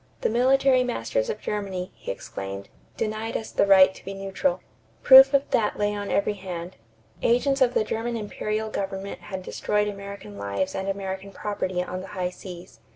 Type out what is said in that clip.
"The military masters of Germany," he exclaimed, "denied us the right to be neutral." Proof of that lay on every hand. Agents of the German imperial government had destroyed American lives and American property on the high seas.